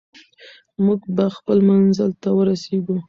موږ به خپل منزل ته ورسېږو.